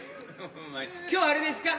今日はあれですか？